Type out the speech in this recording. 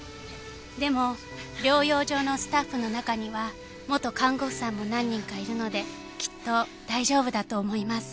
「でも療養所のスタッフの中には元看護婦さんも何人かいるのできっと大丈夫だと思います」